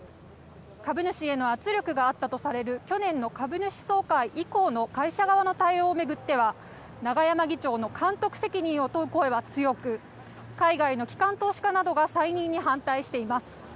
株主への圧力があったとされる去年の株主総会以降の会社側の対応を巡っては永山議長の監督責任を問う声が強く海外の機関投資家などが再任に反対しています。